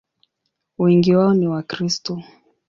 Wengi wao ni Wakristo.